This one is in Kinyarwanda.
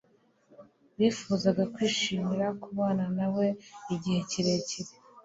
Bifuzaga kwishimira kubana na we igihe kirekire